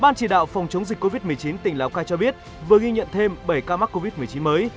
ban chỉ đạo phòng chống dịch covid một mươi chín tỉnh lào cai cho biết vừa ghi nhận thêm bảy ca mắc covid một mươi chín mới